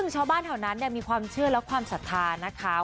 ชาวบ้านแถวนั้นมีความเชื่อและความศรัทธานะคะ